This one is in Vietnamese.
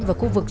vào khu vực